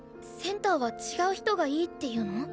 センターは違う人がいいっていうの？